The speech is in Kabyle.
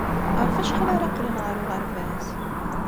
Ɣef wacḥal ara qqlen ɣer uɣerbaz?